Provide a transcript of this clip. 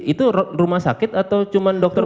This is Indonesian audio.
itu rumah sakit atau cuma dokter